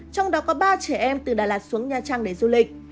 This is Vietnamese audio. trong đó có ba trẻ em từ đà lạt xuống nha trang để du lịch